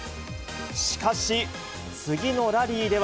しかし、次のラリーでは。